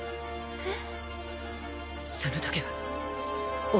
えっ。